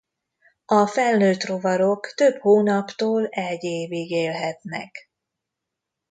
A felnőtt rovarok több hónaptól egy évig élhetnek.